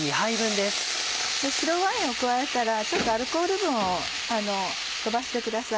白ワインを加えたらちょっとアルコール分を飛ばしてください。